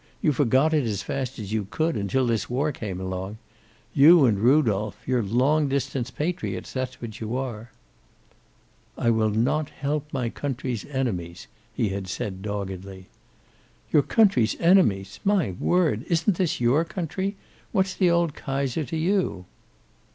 You forgot it as fast as you could, until this war came along. You and Rudolph! You're long distance patriots, you are." "I will not help my country's enemies," he had said doggedly. "Your country s enemies. My word! Isn't this your country? What's the old Kaiser to you?"